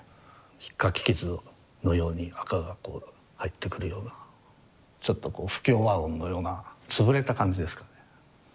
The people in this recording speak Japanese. ひっかき傷のように赤がこう入ってくるようなちょっとこう不協和音のような潰れた感じですかね。